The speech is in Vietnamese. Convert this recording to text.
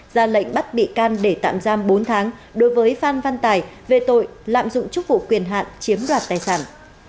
ra lệnh bắt bị can để tạm giam bốn tháng đối với phan văn tài về tội lạm dụng chức vụ quyền hạn chiếm đoạt tài sản